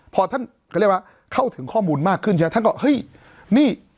พอท่านก็เรียกว่าเข้าถึงข้อมูลมากขึ้นใช่ไหมท่านก็เฮ้ยนี่